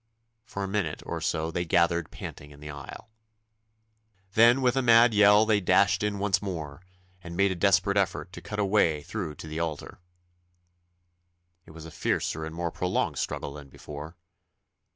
For a minute or so they gathered panting in the aisle. Then with a mad yell they dashed in once more, and made a desperate effort to cut a way through to the altar. It was a fiercer and more prolonged struggle than before.